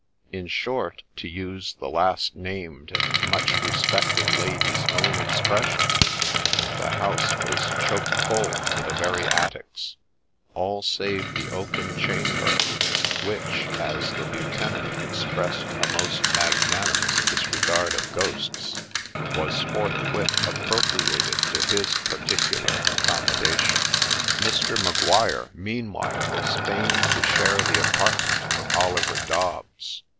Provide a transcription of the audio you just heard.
In short, to use the last named and much respected lady's own expression, the house was ' choke full ' to the very attics, — all save the ' oaken cham ber,' which, as the lieutenant expressed a most magnanimous disregard of ghosts, was forthwith appropriated to his particular 6 THE SPECTRE accommodation. Mr. Maguire meanwhile was fain to share the apartment of Oliver Dobbs.